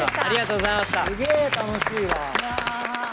すげえ楽しいわ。